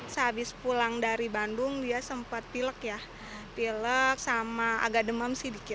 sehabis pulang dari bandung dia sempat pilek ya pilek sama agak demam sih dikit